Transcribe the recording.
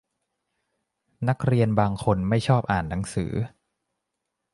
นักเรียนบางคนไม่ชอบอ่านหนังสือ